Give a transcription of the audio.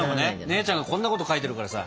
姉ちゃんがこんなこと書いてるからさ。